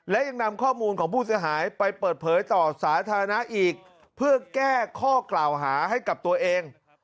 และยังนำข้อมูลของผู้เสียหายไปเปิดเผยต่อสาธารณะอีกเพื่อแก้ข้อกล่าวหาให้กับตัวเอง